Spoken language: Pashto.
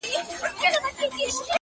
گنې زما کافر زړه چيري يادول گلونه!